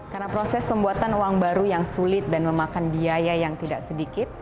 karena proses pembuatan uang baru yang sulit dan memakan biaya yang tidak sedikit